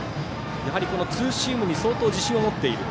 やはりツーシームに相当自信を持っている。